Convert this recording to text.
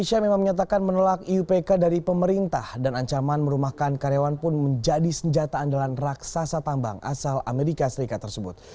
indonesia memang menyatakan menolak iupk dari pemerintah dan ancaman merumahkan karyawan pun menjadi senjata andalan raksasa tambang asal amerika serikat tersebut